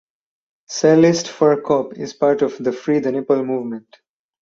Cellist Fer Koppe is part of the Free the Nipple movement.